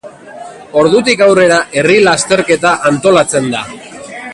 Ordutik aurrera herri lasterketa antolatzen da.